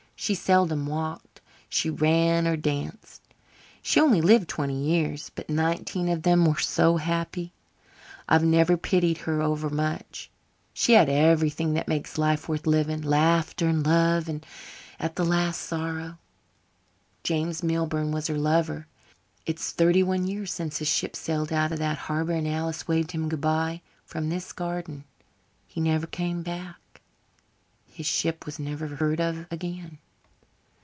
She seldom walked she ran or danced. She only lived twenty years, but nineteen of them were so happy I've never pitied her over much. She had everything that makes life worth living laughter and love, and at the last sorrow. James Milburn was her lover. It's thirty one years since his ship sailed out of that harbour and Alice waved him good bye from this garden. He never came back. His ship was never heard of again.